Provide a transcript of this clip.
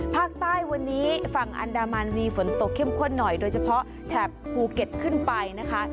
ภาคใต้วันนี้ฝั่งอันดามันมีฝนตกเข้มข้นหน่อยโดยเฉพาะแถบภูเก็ตขึ้นไปนะคะ